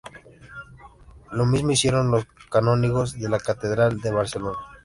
Lo mismo hicieron los canónigos de la catedral de Barcelona.